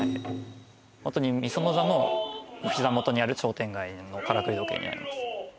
ホントに御園座のお膝元にある商店街のからくり時計になります